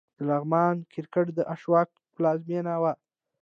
د لغمان کرکټ د اشوکا پلازمېنه وه